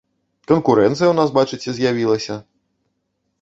Канкурэнцыя ў нас, бачыце, з'явілася!